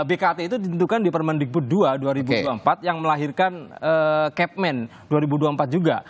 bkt itu ditentukan di permendikbud dua dua ribu dua puluh empat yang melahirkan kepmen dua ribu dua puluh empat juga